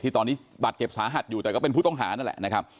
ตอนนี้บาดเจ็บสาหัสอยู่แต่ก็เป็นผู้ต้องหานั่นแหละนะครับ